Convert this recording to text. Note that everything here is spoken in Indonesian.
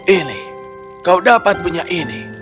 ini kau dapat punya ini